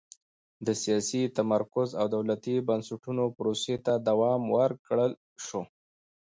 د سیاسي تمرکز او دولتي بنسټونو پروسې ته دوام ورکړل شوه.